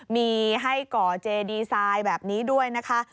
มีให้ก่อเจดีไซน์แบบนี้ด้วยนะคะ